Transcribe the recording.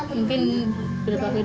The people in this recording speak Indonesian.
mungkin berapa kali